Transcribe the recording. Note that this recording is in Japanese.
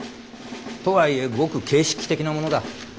とはいえごく形式的なものだ。